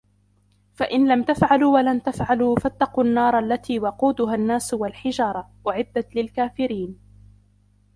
فَإِنْ لَمْ تَفْعَلُوا وَلَنْ تَفْعَلُوا فَاتَّقُوا النَّارَ الَّتِي وَقُودُهَا النَّاسُ وَالْحِجَارَةُ ۖ أُعِدَّتْ لِلْكَافِرِينَ